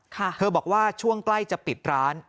เธอบอกว่าช่วงใกล้จะปิดร้าน